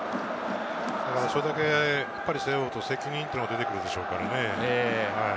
それだけ背負うと責任っていうのは出てくるでしょうからね。